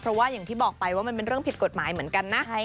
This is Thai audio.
เพราะว่าอย่างที่บอกไปว่ามันเป็นเรื่องผิดกฎหมายเหมือนกันนะ